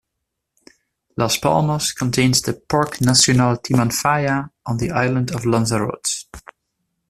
Las Palmas contains the Parque Nacional Timanfaya on the island of Lanzarote.